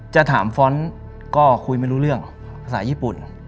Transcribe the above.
จะถามฟ้อนต์ก็คุยไม่รู้เรื่องภาษาญี่ปุ่น